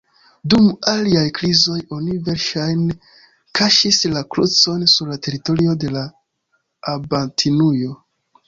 Dum aliaj krizoj oni verŝajne kaŝis la krucon sur la teritorio de la abatinujo.